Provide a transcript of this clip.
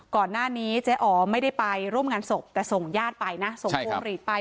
ก่อนหน้านี้เจ๊อ๋อไม่ได้ไปร่วมงานศพแต่ส่งญาติไปนะส่งพวงหลีดไป